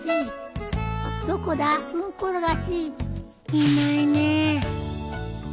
いないね。